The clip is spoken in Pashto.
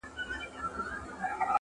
پېښه د تماشې بڼه اخلي او درد پټيږي,